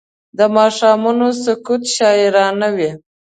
د ماښامونو سکوت شاعرانه وي